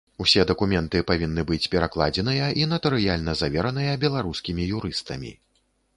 Усе дакументы павінны быць перакладзеныя і натарыяльна завераныя беларускімі юрыстамі.